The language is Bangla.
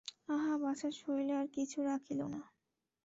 আহা বাছার শরীরে আর কিছু রাখিল না?